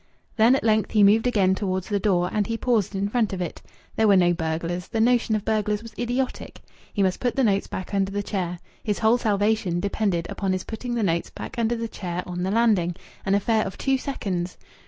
Then at length he moved again towards the door; and he paused in front of it. There were no burglars! The notion of burglars was idiotic! He must put the notes back under the chair. His whole salvation depended upon his putting the notes back under the chair on the landing!... An affair of two seconds!...